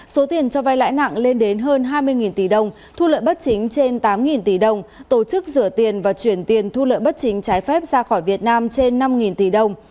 số tiền cho vai lãi nặng lên đến hơn hai mươi tỷ đồng thu lợi bất chính trên tám tỷ đồng tổ chức rửa tiền và chuyển tiền thu lợi bất chính trái phép ra khỏi việt nam trên năm tỷ đồng